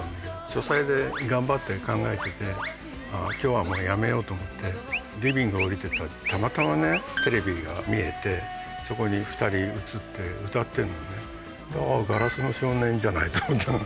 書斎で頑張って考えてて「あぁ今日はもうやめよう」と思ってリビング下りてったらたまたまねテレビが見えてそこに２人映って歌ってるのね。と思ったの。